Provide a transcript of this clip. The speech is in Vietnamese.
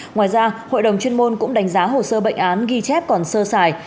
ngoài ra hội đồng chuyên môn cũng đánh giá hồ sơ bệnh án ghi chép còn sơ sài